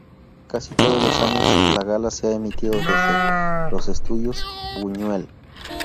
Casi todos los años la gala se ha emitido desde los Estudios Buñuel.